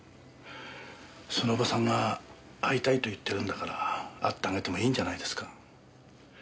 その叔母さんが会いたいと言ってるんだから会ってあげてもいいんじゃないですか？